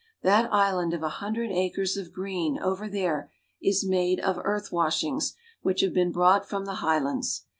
That island of a hundred acres of green over there is made of earth washings which have been brought from the highlands.